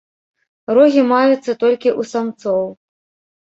Рогі маюцца толькі ў самцоў.